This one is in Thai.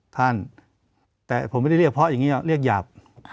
ท่านแต่ผมไม่ได้เรียกเพราะอย่างนี้เรียกหยาบ